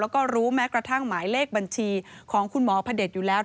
แล้วก็รู้แม้กระทั่งหมายเลขบัญชีของคุณหมอพระเด็จอยู่แล้ว